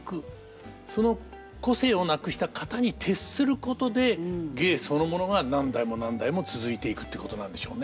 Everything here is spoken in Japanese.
その個性をなくした型に徹することで芸そのものが何代も何代も続いていくっていうことなんでしょうね。